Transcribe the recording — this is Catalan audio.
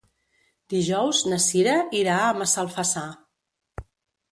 Dijous na Cira irà a Massalfassar.